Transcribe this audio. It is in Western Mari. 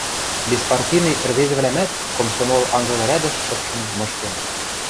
Беспартийный ӹрвезӹвлӓмӓт комсомол анзыл рӓдӹш шыпшын мыштен.